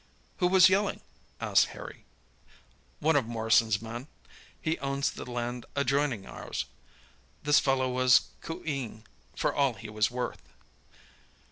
"Who was yelling?" asked Harry. "One of Morrison's men—he owns the land adjoining ours. This fellow was coo eeing for all he was worth.